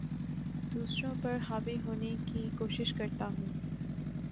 دوسروں پر حاوی ہونے کی کوشش کرتا ہوں